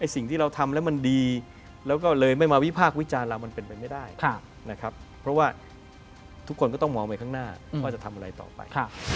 สิ่งที่เราทำแล้วมันดีแล้วก็เลยไม่มาวิพากษ์วิจารณ์เรามันเป็นไปไม่ได้นะครับเพราะว่าทุกคนก็ต้องมองไปข้างหน้าว่าจะทำอะไรต่อไป